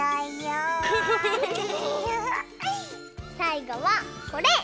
さいごはこれ！